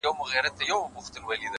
• خو پر زړه مي سپين دسمال د چا د ياد ـ